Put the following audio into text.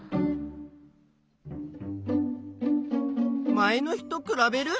前の日とくらべる？